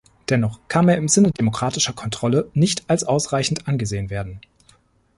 Dennoch kann er im Sinne demokratischer Kontrolle nicht als ausreichend angesehen werden.